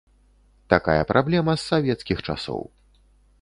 Такая праблема з савецкіх часоў.